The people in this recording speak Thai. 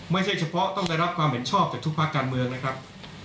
ไม่ใช่เฉพาะต้องได้รับความเห็นชอบจากทุกภาคการเมืองนะครับ